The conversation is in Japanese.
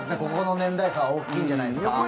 ここの年代差は大きいんじゃないですか。